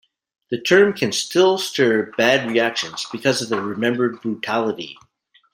The term can still stir bad reactions because of their remembered brutality.